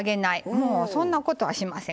もうそんなことはしません。